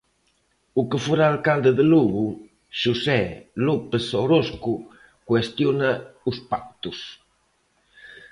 O que fora alcalde de Lugo, Xosé López Orozco, cuestiona os pactos.